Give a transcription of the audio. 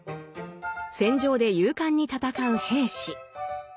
戦場で勇敢に戦う兵士。